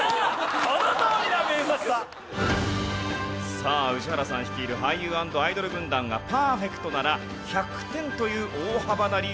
さあ宇治原さん率いる俳優＆アイドル軍団がパーフェクトなら１００点という大幅なリードを奪えます。